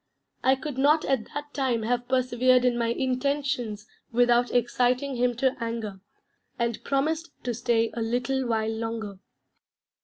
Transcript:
I could not at that time have persevered in my intentions without exciting him to anger; and promised to stay a little while longer.